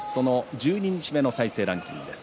十二日目の再生ランキングです。